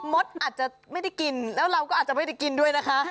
มดอาจจะไม่ได้กินแล้วเราก็อาจจะไม่ได้กินด้วยนะคะ